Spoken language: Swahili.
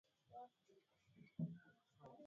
Ni maeneo yenye kumbukumbu ya kutosha